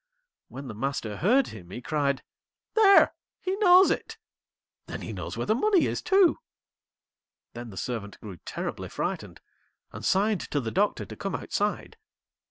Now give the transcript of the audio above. When the Master heard him he cried: 'There, he knows it! Then he knows where the money is too.' Then the Servant grew terribly frightened, and signed to the Doctor to come outside.